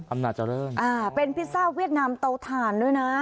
อำนาจเจริญอ่าเป็นพิซซ่าเวียดนามเตาถ่านด้วยนะ